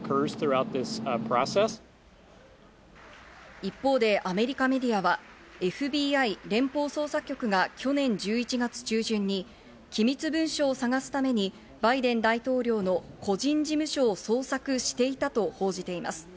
一方でアメリカメディアは、ＦＢＩ＝連邦捜査局が去年１１月中旬に機密文書を探すためにバイデン大統領の個人事務所を捜索していたと報じています。